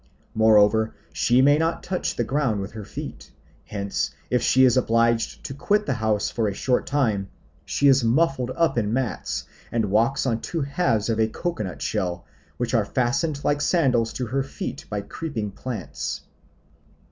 Moreover, she may not touch the ground with her feet; hence if she is obliged to quit the house for a short time, she is muffled up in mats and walks on two halves of a coco nut shell, which are fastened like sandals to her feet by creeping plants.